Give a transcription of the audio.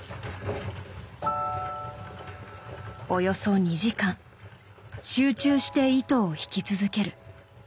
およそ２時間集中して糸を引き続ける。